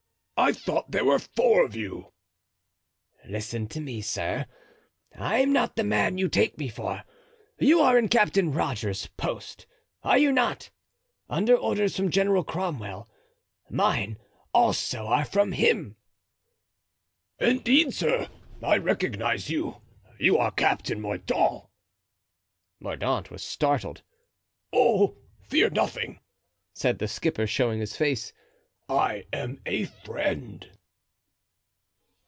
I thought there were four of you." "Listen to me, sir. I'm not the man you take me for; you are in Captain Rogers's post, are you not? under orders from General Cromwell. Mine, also, are from him!" "Indeed, sir, I recognize you; you are Captain Mordaunt." Mordaunt was startled. "Oh, fear nothing," said the skipper, showing his face. "I am a friend."